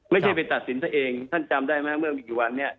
ไม่ใช่ไปตัดสินซะเองท่านจำได้ไหมเมื่อมีกี่วันเนี่ย